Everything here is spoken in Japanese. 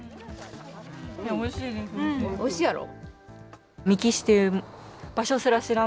おいしいやろ。